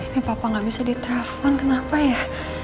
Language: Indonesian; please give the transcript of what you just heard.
ini papa gak bisa ditelepon kenapa ya